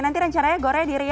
nanti rencananya gore diri ya